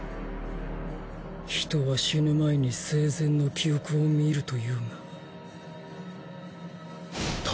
人は死ぬ前に生前の記憶を見るというが道。